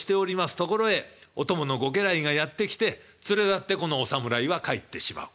ところへお供のご家来がやって来て連れ立ってこのお侍は帰ってしまう。